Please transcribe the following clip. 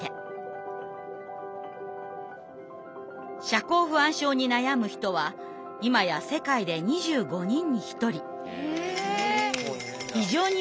社交不安症に悩む人は今や世界で２５人に１人。